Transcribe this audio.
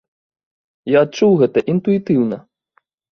Я адчуў гэта інтуітыўна.